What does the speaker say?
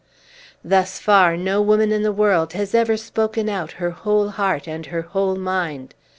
Thus far, no woman in the world has ever once spoken out her whole heart and her whole mind.